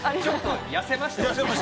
痩せました。